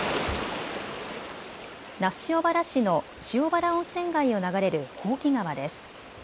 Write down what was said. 那須塩原市の塩原温泉街を流れる箒川です。